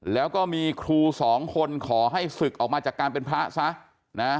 แล้วก็มีครูสองคนขอให้ศึกออกมาจากการเป็นพระซะนะ